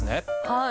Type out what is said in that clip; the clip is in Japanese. はい。